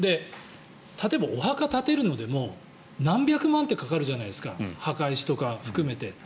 例えば、お墓を建てるのでも何百万ってかかるじゃないですか墓石とか含めて。